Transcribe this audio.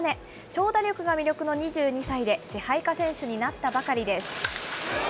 長打力が魅力の２２歳で、支配下選手になったばかりです。